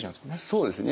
そうですね。